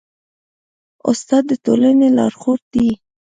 استاد د ټولني لارښود دی.